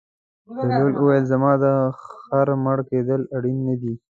بهلول وویل: زما د خر مړه کېدل اړین نه دي.